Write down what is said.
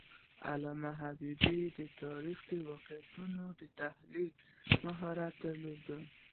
علامه حبیبي د تاریخي واقعیتونو د تحلیل مهارت درلود.